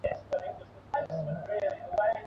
তিনি সামাজিক কাজ সমূহ থেকে বিরত থাকেন।